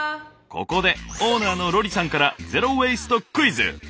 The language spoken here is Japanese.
ここでオーナーのロリさんからゼロウェイストクイズ！